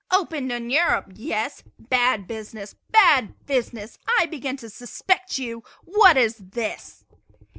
"Opened in Europe yes? Bad business! bad business! I begin to suspect you. What is this?"